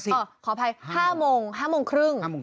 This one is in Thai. ๕๐โมงอ่อขออภัย๕โมง๕โมงครึ่ง